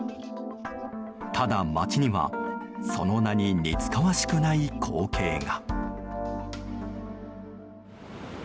ただ街には、その名に似つかわしくない光景が。